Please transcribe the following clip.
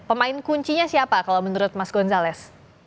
pemain kuncinya siapa kalau menurut mas gonzalez